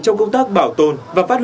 trong công tác bảo tồn